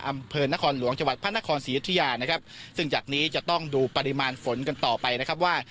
อำเภอนครหลวงจพศรียุฒิญาซึ่งจากนี้จะต้องดูปริมาณฝนกันต่อไปนะครับว่า